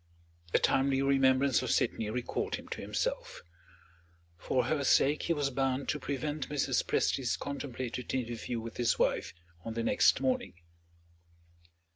A timely remembrance of Sydney recalled him to himself. For her sake, he was bound to prevent Mrs. Presty's contemplated interview with his wife on the next morning.